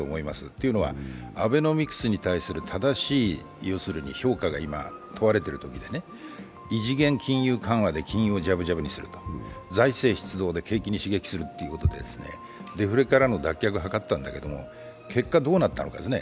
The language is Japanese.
というのはアベノミクスに対する正しい評価が問われているときで異次元金融緩和で金融をじゃぶじゃぶにすると財政出動で景気に刺激するということでデフレからの脱却を図ったんだけれども結果、どうなったかです。